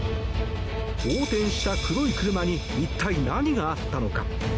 横転した黒い車に一体、何があったのか。